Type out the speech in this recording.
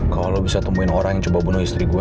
kalau lo bisa temuin orang yang coba bunuh istri gue